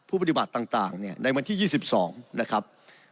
ปฏิบัติต่างในวันที่๒๒นะครับ